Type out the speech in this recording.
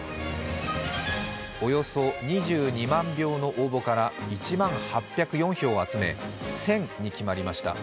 およそ２２万票の応募から、１万８０４票を集め、「戦」に決まりました。